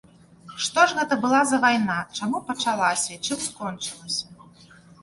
Што ж гэта была за вайна, чаму пачалася і чым скончылася?